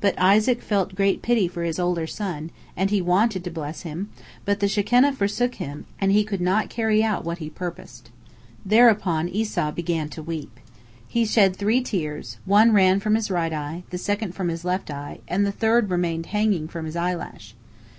But Isaac felt great pity for his older son, and he wanted to bless him, but the Shekinah forsook him, and he could not carry out what he purposed. Thereupon Esau began to weep. He shed three tears—one ran from his right eye, the second from his left eye, and the third remained hanging from his eyelash.